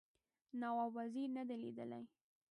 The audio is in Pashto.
نواب وزیر نه دی لیدلی.